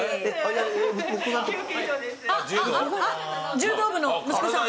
柔道部の息子さん。